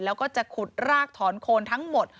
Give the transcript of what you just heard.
แล้วก็จะขุดรากถอนโคนทั้งหมด